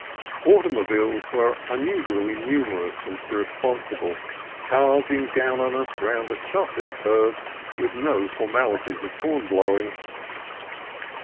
Automobiles were unusually numerous and irre sponsible, charging down on us round the sharpest curves with no formalities of horn blowing.